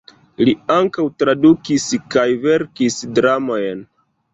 Li ankaŭ tradukis kaj verkis dramojn.